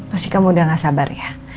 pasti kamu udah gak sabar ya